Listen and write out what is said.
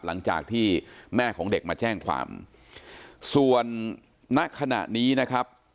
หลังจากที่แม่ของเด็กมาแจ้งความส่วนณขณะนี้นะครับ